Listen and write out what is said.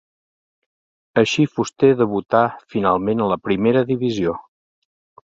Així Fuster debutà finalment a la Primera Divisió.